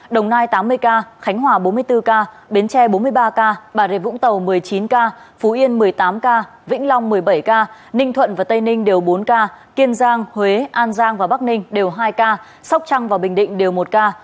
đồng nai tám mươi ca khánh hòa bốn mươi bốn ca bến tre bốn mươi ba ca bà rịa vũng tàu một mươi chín ca phú yên một mươi tám ca vĩnh long một mươi bảy ca ninh thuận và tây ninh đều bốn ca kiên giang huế an giang và bắc ninh đều hai ca sóc trăng và bình định đều một ca